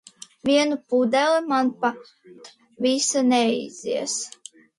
Vienu pudeli, man pat visa neizies.